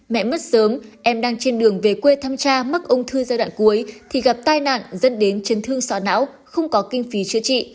mẹ mất sớm em đang trên đường về quê thăm cha mắc ung thư giai đoạn cuối thì gặp tai nạn dẫn đến chấn thương sọ não không có kinh phí chữa trị